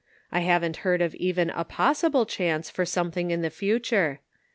I havn't heard of even a possible chance for something in the future.